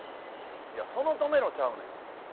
「いやそのとめろちゃうねん。